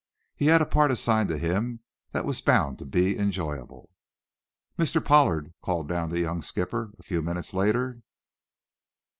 He had a part assigned to him that was bound to be enjoyable. "Mr. Pollard!" called down the young skipper, a few moments later.